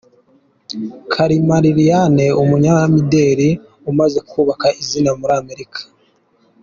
Kalima Liliane umunyamideli umaze kubaka izina muri Amerika.